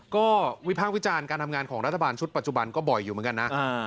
ก็วิพากษ์วิจารณ์การทำงานของรัฐบาลชุดปัจจุบันก็บ่อยอยู่เหมือนกันนะ